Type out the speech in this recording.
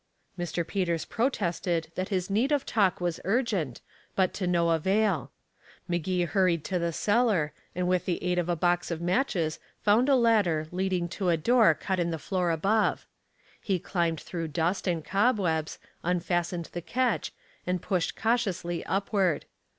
Mr. Peters protested that his need of talk was urgent, but to no avail. Magee hurried to the cellar, and with the aid of a box of matches found a ladder leading to a door cut in the floor above. He climbed through dust and cobwebs, unfastened the catch, and pushed cautiously upward.